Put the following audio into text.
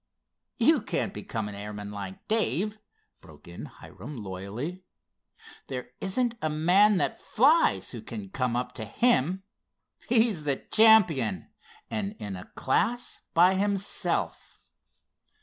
"You can't become an airman like Dave," broke in Hiram, loyally. "There isn't a man that flies who can come up to him. He's the champion, and in a class by himself."